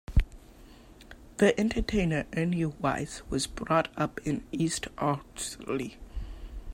The entertainer Ernie Wise was brought up in East Ardsley.